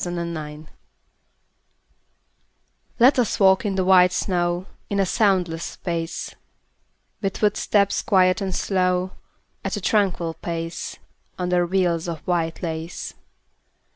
VELVET SHOES Let us walk in the white snow In a soundless space; With footsteps quiet and slow, At a tranquil pace, Under veils of white lace.